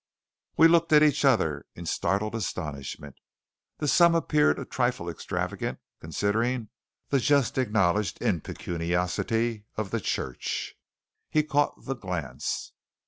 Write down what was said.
We looked at each other in startled astonishment. The sum appeared a trifle extravagant considering the just acknowledged impecuniosity of the church. He caught the glance.